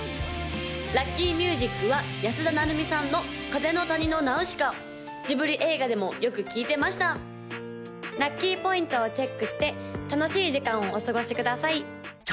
・ラッキーミュージックは安田成美さんの「風の谷のナウシカ」ジブリ映画でもよく聴いてました・ラッキーポイントをチェックして楽しい時間をお過ごしください！